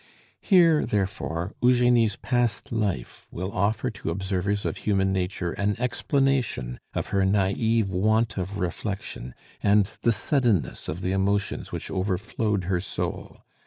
Here, therefore, Eugenie's past life will offer to observers of human nature an explanation of her naive want of reflection and the suddenness of the emotions which overflowed her soul.